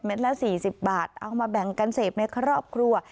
ละ๔๐บาทเอามาแบ่งกันเสพในครอบครัว